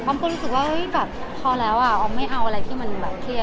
อ้อมก็รู้สึกว่าพอแล้วอ้อมไม่เอาอะไรที่มันเครียด